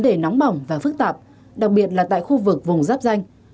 tuy nhiên hoạt động khai thác cát vẫn là vấn đề nóng và phức tạp đặc biệt là tại khu vực vùng giáp danh